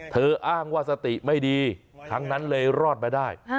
อ้างว่าสติไม่ดีทั้งนั้นเลยรอดมาได้